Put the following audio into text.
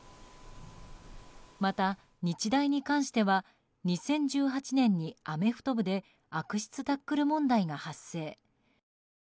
また、日大に関しては２０１８年にアメフト部で悪質タックル問題が発生。